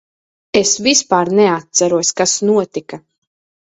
Es vispār neatceros, kas notika.